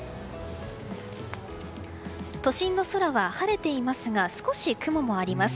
都心の空は晴れていますが少し雲もあります。